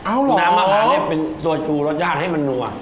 เอาเหรอน้ำอาหารเนี่ยเป็นตัวชูรสชาติให้มันนัว